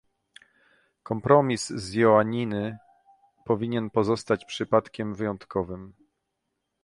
Kompromis z Joaniny powinien pozostać przypadkiem wyjątkowym